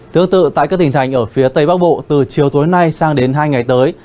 tương tự tại các tỉnh thành ở phía tây bắc bộ từ chiều tối nay sang đến hai ngày tới